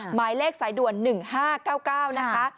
หมายเลขสายด่วน๑๕๙๙นะคะ